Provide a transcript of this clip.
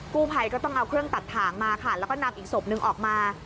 กู้ภัยก็ต้องเอาเครื่องตัดถ่างมาค่ะแล้วก็นำอีกศพนึงออกมา